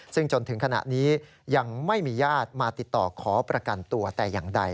ซึ่งจนถึงขณะนี้ยังไม่มีญาติมาติดต่อขอประกันตัวแต่อย่างใด